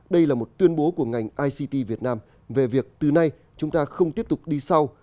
đây là một tuyên bố của ngành ict việt nam về việc từ nay chúng ta không tiếp tục đi sau